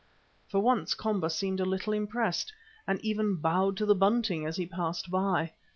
For once Komba seemed a little impressed, and even bowed to the bunting as he passed by.